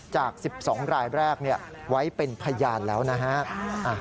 จาก๑๒รายแรกไว้เป็นพยานแล้วนะฮะ